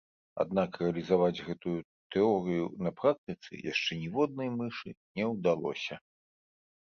Аднак рэалізаваць гэту тэорыю на практыцы яшчэ ніводнай мышы не ўдалося.